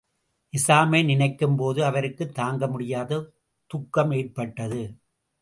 நிசாமை நினைக்கும்போது அவருக்குத் தாங்கமுடியாத துக்கம் ஏற்பட்டது.